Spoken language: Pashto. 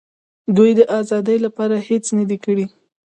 دوی د آزادۍ لپاره هېڅ نه دي کړي.